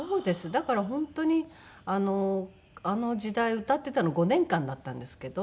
だから本当にあの時代歌っていたの５年間だったんですけど。